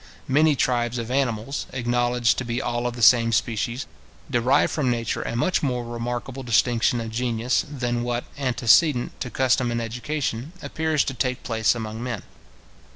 Many tribes of animals, acknowledged to be all of the same species, derive from nature a much more remarkable distinction of genius, than what, antecedent to custom and education, appears to take place among men.